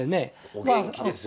お元気ですよね。